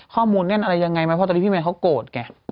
ข้อมูลนี้มันอะไรยังไงไม่ว่าตอนนี้พี่แมนเขาโกรธแกะ